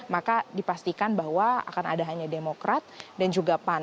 maka dipastikan bahwa akan ada hanya demokrat dan juga pan